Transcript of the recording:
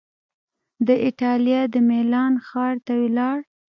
د ایټالیا د میلان ښار ته ولاړ